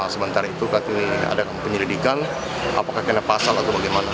sementara itu kami ada penyelidikan apakah kena pasal atau bagaimana